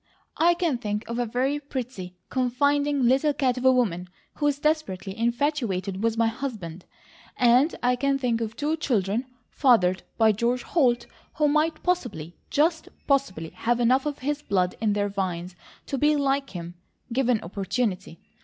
"I can think of a very pretty, confiding, little cat of a woman, who is desperately infatuated with my husband; and I can think of two children fathered by George Holt, who might possibly, just possibly, have enough of his blood in their veins to be like him, given opportunity.